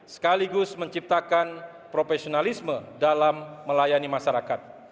sekaligus menciptakan profesionalisme dalam melayani masyarakat